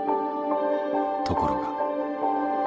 ところが。